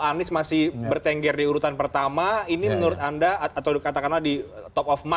anies masih bertengger di urutan pertama ini menurut anda atau katakanlah di top of mind